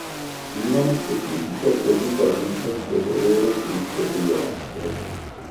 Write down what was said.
Il nome specifico è dovuto all'insolito colore grigio bluastro.